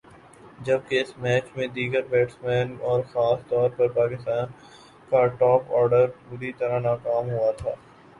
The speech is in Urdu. جبکہ اس میچ میں دیگر بیٹسمین اور خاص طور پر پاکستان کا ٹاپ آرڈر بری طرح ناکام ہوا تھا